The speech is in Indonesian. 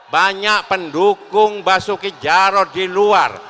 banyak pendukung basuki jarod di luar